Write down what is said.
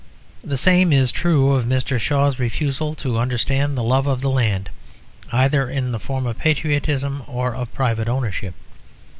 The same is true of Mr. Shaw's refusal to understand the love of the land either in the form of patriotism or of private ownership.